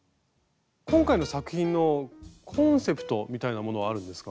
今回の作品のコンセプトみたいなものはあるんですか？